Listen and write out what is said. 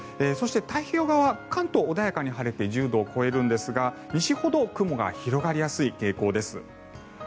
そして、太平洋側は関東は穏やかに晴れて１０度を超えるんですが西ほど雲が広がりやすい傾向です。